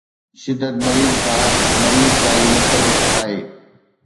شدت مريض کان مريض تائين مختلف آهي